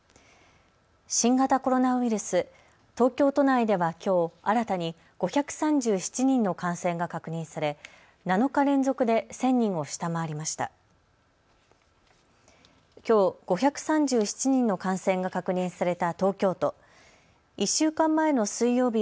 新型コロナウイルス、東京都内ではきょう、新たに５３７人の感染が確認され７日連続で１０００人を下回りました。